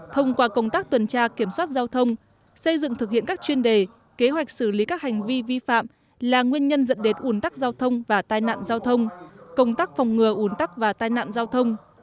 thông qua công tác tuần tra kiểm soát giao thông xây dựng thực hiện các chuyên đề kế hoạch xử lý các hành vi vi phạm là nguyên nhân dẫn đến ủn tắc giao thông và tai nạn giao thông công tác phòng ngừa ủn tắc và tai nạn giao thông